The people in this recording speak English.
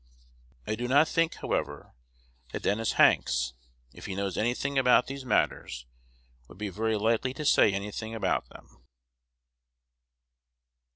I do not think, however, that Dennis Hanks, if he knows any thing about these matters, would be very likely to say any thing about them."